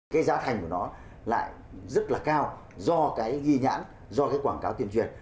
cái giá thành của nó lại rất là cao do cái ghi nhãn do cái quảng cáo tiền chuyển